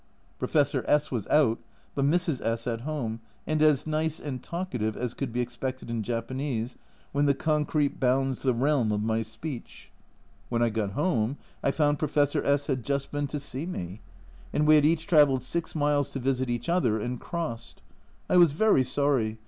Professor S was out, but Mrs. S at home, and as nice and talkative as could be expected in Japanese, when the concrete bounds the realm of my speech. When I got home I found Professor S had just been to see me ! and we had each travelled 6 miles to visit each other, and crossed. I was very sorry.